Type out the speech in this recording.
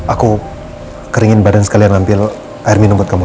aku keringin badan sekalian ngambil air minum buat kamu